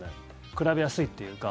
比べやすいっていうか。